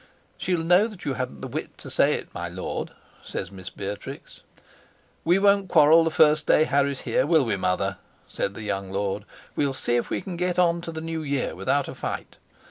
"She'll know that you hadn't the wit to say it, my lord," says Miss Beatrix. "We won't quarrel the first day Harry's here, will we, mother?" said the young lord. "We'll see if we can get on to the new year without a fight.